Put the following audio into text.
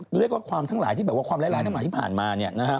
เรียกว่าความทั้งหลายที่แบบว่าความร้ายทั้งหลายที่ผ่านมาเนี่ยนะฮะ